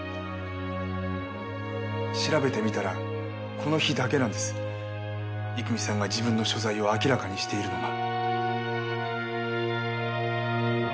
調べてみたらこの日だけなんです郁美さんが自分の所在を明らかにしているのは。